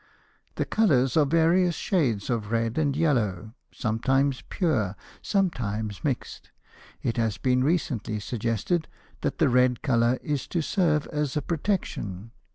The colors are various shades of red and yellow, sometimes pure, sometimes mixed. It has been recently suggested that the red color is to serve as a protection.